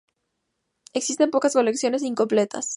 Existen pocas colecciones e incompletas.